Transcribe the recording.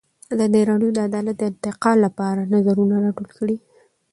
ازادي راډیو د عدالت د ارتقا لپاره نظرونه راټول کړي.